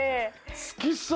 すきそう！